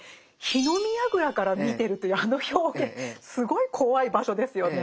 火の見やぐらから見てるというあの表現すごい怖い場所ですよね。